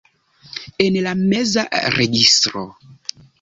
En la meza registro.